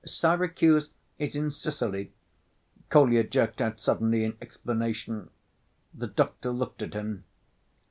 "Syracuse is in Sicily," Kolya jerked out suddenly in explanation. The doctor looked at him.